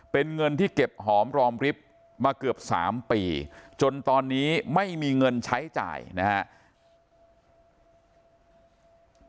เป็นเงินที่เก็บหอมรอมริบมาเกือบ๓ปีจนตอนนี้ไม่มีเงินใช้จ่ายนะครับ